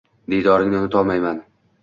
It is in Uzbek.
Diydoringni unutolmayin